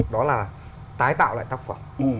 đó là tái tạo lại tác phẩm